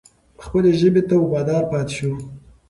خپلې ژبې ته وفادار پاتې شو.